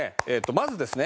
まずですね